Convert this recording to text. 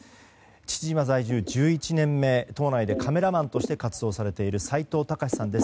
父島在住１１年目、島内でカメラマンとして活動されている斎藤崇志さんです。